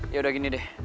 yaudah gini deh